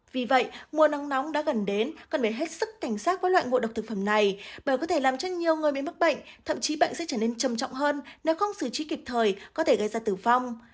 vì vậy mùa nắng nóng đã gần đến cần phải hết sức cảnh sát với loại ngộ độc thực phẩm này bởi có thể làm cho nhiều người bị mắc bệnh thậm chí bệnh sẽ trở nên trầm trọng hơn nếu không xử trí kịp thời có thể gây ra tử vong